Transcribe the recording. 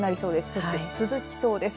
そして、続きそうです。